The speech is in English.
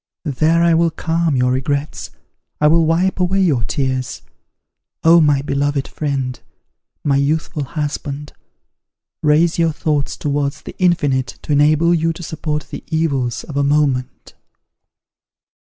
There I will calm your regrets, I will wipe away your tears. Oh, my beloved friend! my youthful husband! raise your thoughts towards the infinite, to enable you to support the evils of a moment.'"